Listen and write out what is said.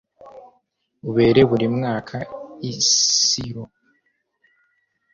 ubera buri mwaka i silo